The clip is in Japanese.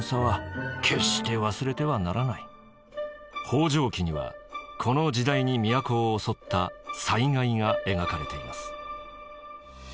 「方丈記」にはこの時代に都を襲った災害が描かれています。